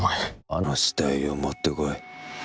「あの死体を持ってこい」